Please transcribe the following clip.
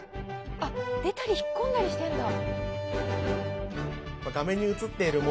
あっ出たり引っ込んだりしてるんだ。